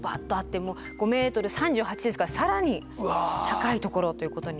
５メートル３８ですから更に高いところということに。